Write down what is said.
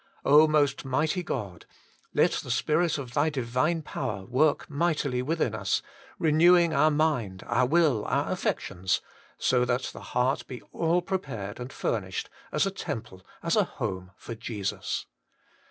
Most Mighty God ! let the spirit of Thy Divine Power work mightily within us, renewing our mind, and will, and affections, so that the heart 80 HOLY IN CHRIST. be all prepared and furnished as a temple, as a home, for Jesus.